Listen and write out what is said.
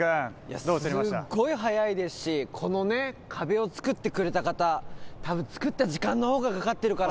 すっごい速いですし、このね、壁を作ってくれた方、たぶん作った時間のほうがかかってるから。